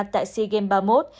tại sea games ba mươi một